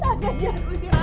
tante jangan usir aku